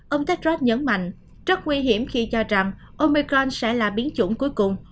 ông tedros nhấn mạnh rất nguy hiểm khi cho rằng omicron sẽ là biến chủng cuối cùng